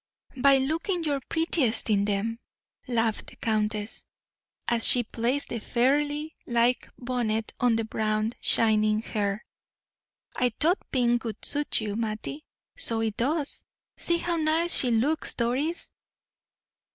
"By looking your prettiest in them," laughed the countess, as she placed the fairy like bonnet on the brown, shining hair. "I thought pink would suit you, Mattie; so it does. See how nice she looks, Doris."